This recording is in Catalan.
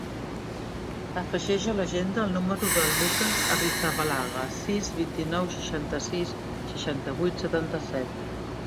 Afegeix a l'agenda el número del Lukas Arrizabalaga: sis, vint-i-nou, seixanta-sis, seixanta-vuit, setanta-set.